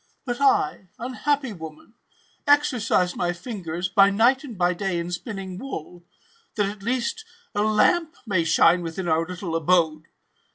But I, unhappy woman, exercise my fingers, by night and by day, in spinning wool, that, at least, a lamp may shine within our little abode.